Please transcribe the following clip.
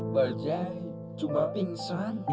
mbak jai cuma pingsan